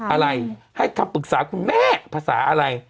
อะไรให้คำปรึกษาคุณแม่ภาษาอะไร